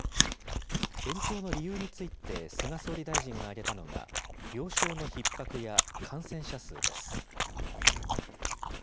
延長の理由について菅総理大臣が挙げたのが、病床のひっ迫や感染者数です。